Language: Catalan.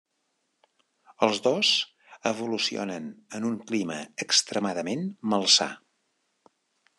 Els dos evolucionen en un clima extremadament malsà.